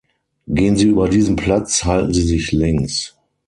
Gehen Sie über diesen Platz, halten Sie sich links.